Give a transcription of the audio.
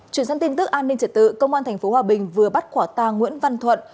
chuyển sang tin tức an ninh trật tự công an tp hcm vừa bắt khỏa ta nguyễn văn thuận